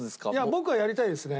僕はやりたいですね。